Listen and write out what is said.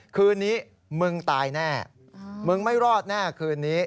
คืนนี้มึงตายแน่มึงไม่รอดแน่คืนนี้